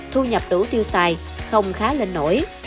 thu nhập đủ tiêu xài không khá lên nổi